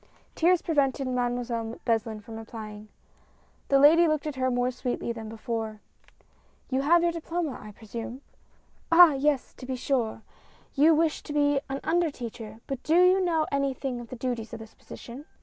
Tears prevented Mademoiselle Beslin from replying. The lady looked at her more sweetly than before. 72 MADEMOISELLE BESLIN. "You have your Diploma, I presume? Ah! yes, to be sure. You wish to be an under teacher, but do you know anything of the duties of this position?"